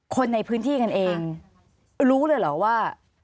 คนในพื้นที่กันเองรู้เลยเหรอว่า